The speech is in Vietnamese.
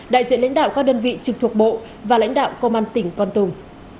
đại diện lãnh đạo các đơn vị trực thuộc bộ và lãnh đạo công an tỉnh con tùng